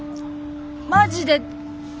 マジで。